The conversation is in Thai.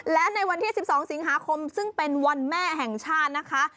และในวันที่๑๒สิงหาคมซึ่งเป็นวันแม่แห่งชาตินะคะ